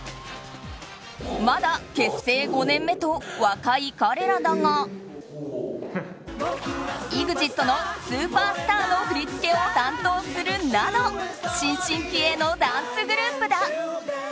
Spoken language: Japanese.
まだ結成５年目と若い彼らだがＥＸＩＴの「ＳＵＰＥＲＳＴＡＲ」の振り付けを担当するなど新進気鋭のダンスグループだ。